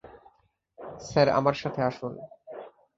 Sir আমার সাথে আসুন।